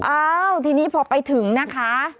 อ้าวทีนี้พอไปถึงนะคะ